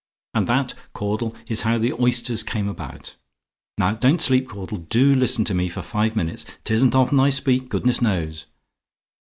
And that, Caudle, is how the oysters came about. Now, don't sleep, Caudle: do listen to me for five minutes; 'tisn't often I speak, goodness knows.